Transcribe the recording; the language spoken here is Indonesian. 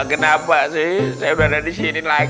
kenapa sih saya udah ada di sini lagi